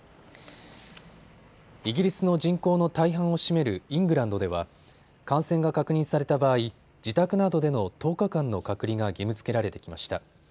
イギリスの人口の大半を占めるイングランドでは感染が確認された場合、自宅などでの１０日間の隔離が義務づけられてきました。